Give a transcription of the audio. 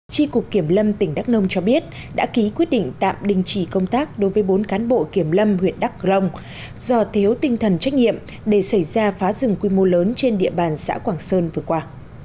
tri cục kiểm lâm tỉnh đắk nông cho biết đã ký quyết định tạm đình chỉ công tác đối với bốn cán bộ kiểm lâm huyện đắk rông do thiếu tinh thần trách nhiệm để xảy ra phá rừng quy mô lớn trên địa bàn xã quảng sơn vừa qua